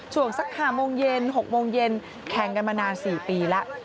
ส่วนสัก๕โมงเย็น๖โมงเย็นแข่งกันมานาน๔ปีแล้ว